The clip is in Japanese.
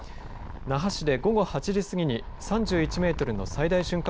那覇市で午後８時前に３１メートルの最大瞬間